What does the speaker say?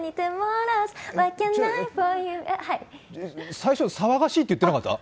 最初、騒がしいって言ってなかった？